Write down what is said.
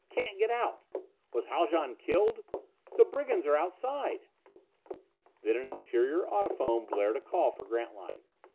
Can't get out! Was Haljan killed? The brigands are outside!" And then an interior audiphone blared a call for Grantline.